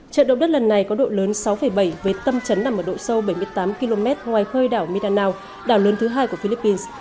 trận động đất lần này có độ lớn sáu bảy với tâm trấn nằm ở độ sâu bảy mươi tám km ngoài khơi đảo midanao đảo lớn thứ hai của philippines